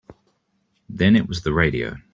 Then it was the radio.